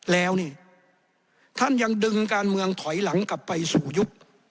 แล้วนี่ท่านยังดึงการเมืองถอยหลังกลับไปสู่ยุค